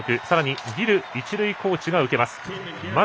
さらにギル一塁コーチが受けます。